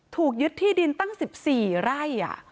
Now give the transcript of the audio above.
ถูกยึดที่ดินตั้ง๑๔ไร่